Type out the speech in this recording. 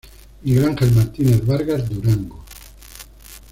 Miguel Angel Martinez Vargas Durango